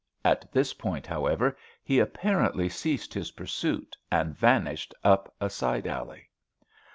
At this point, however, he apparently ceased his pursuit, and vanished up a side alley.